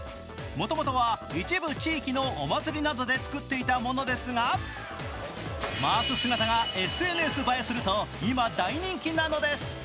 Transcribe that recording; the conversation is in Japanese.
もともとは一部地域のお祭りなどで作っていたものですが回す姿がＳＮＳ映えすると今、大人気なんです。